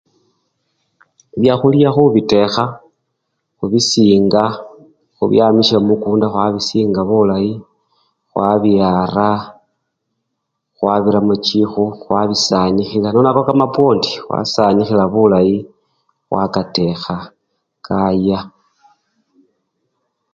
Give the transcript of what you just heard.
Byakhulya khubitekha khubisinga khubyamisha mumikunda khwabisinga bulayi khwabiyara khwabiramo chikhu khwabisanikhila nono-aba kamapwondi khwasanikhila bulayi khwakatekha kaaya.